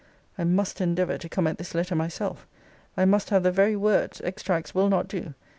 I must endeavour to come at this letter myself. I must have the very words: extracts will not do.